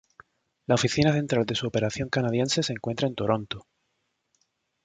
La oficina central de su operación canadiense se encuentra en Toronto.